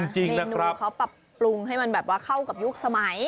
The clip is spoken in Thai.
เมนูเขาปรับปรุงให้มันแบบว่าเข้ากับยุคสมัย